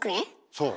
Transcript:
そう。